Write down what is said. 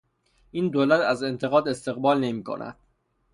این دولت از انتقاد استقبال نمیکند.